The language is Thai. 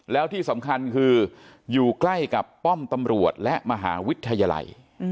แล้วที่สำคัญคืออยู่ใกล้กับป้อมตำรวจและมหาวิทยาลัย